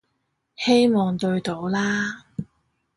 希望對到啦